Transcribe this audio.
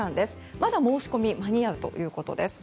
まだ申し込み間に合うということです。